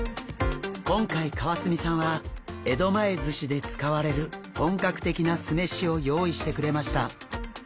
今回川澄さんは江戸前寿司で使われる本格的な酢飯を用意してくれました。